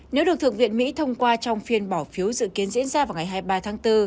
nếu được thượng viện mỹ thông qua trong phiên bỏ phiếu dự kiến diễn ra vào ngày hai mươi ba tháng bốn